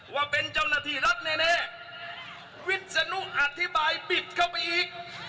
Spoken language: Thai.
ว่าเป็นเจ้าหน้าที่รัฐแน่วิศนุอธิบายปิดเข้าไปอีก